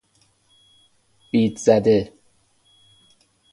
بیدزده